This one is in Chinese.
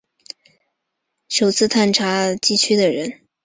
斯塔杜欣是首次探查了西伯利亚最东北部地区的人。